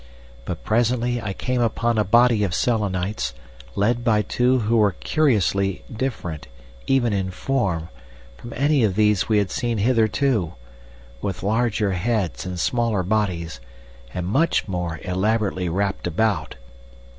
But presently I came upon a body of Selenites, led by two who were curiously different, even in form, from any of these we had seen hitherto, with larger heads and smaller bodies, and much more elaborately wrapped about.